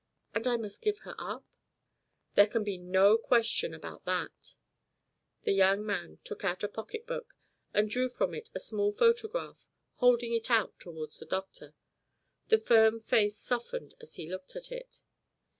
"And I must give her up?" "There can be no question about that." The young man took out a pocketbook and drew from it a small photograph, holding it out towards the doctor. The firm face softened as he looked at it.